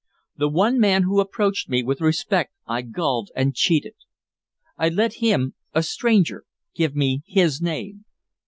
The one man who approached me with respect I gulled and cheated. I let him, a stranger, give me his name.